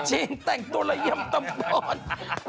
จริงแต่งตัวละยำตำบอล